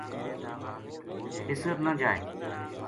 بِسر نہ جائے۔